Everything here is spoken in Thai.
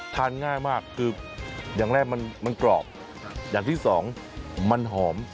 ทานง่ายมากคืออย่างแรกมันกรอบอย่างที่สองมันหอม